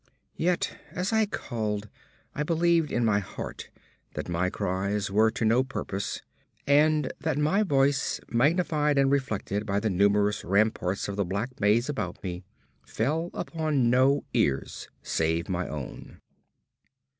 Yet, as I called, I believed in my heart that my cries were to no purpose, and that my voice, magnified and reflected by the numberless ramparts of the black maze about me, fell upon no ears save my own.